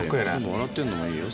笑ってるのもいいよ